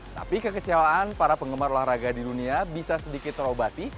tapi kekecewaan para penggemar olahraga di dunia bisa sedikit terobati